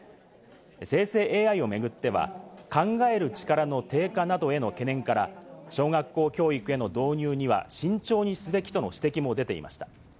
生成ＡＩを巡っては、考える力の低下などへの懸念から小学校教育への導入には慎重にすべきとの指摘も出ていました。